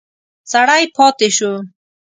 سړی پاتې شو.